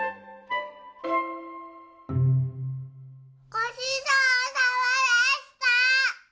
ごちそうさまでした！